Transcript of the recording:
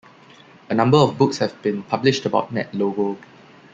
A number of books have been published about NetLogo.